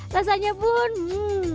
rasanya pun hmm